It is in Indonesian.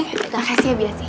ya biasi biasi